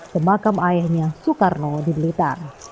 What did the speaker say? ke makam ayahnya soekarno di blitar